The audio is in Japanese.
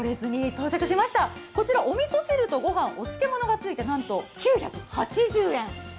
こちらおみそ汁とご飯、お漬物がついて９８０円。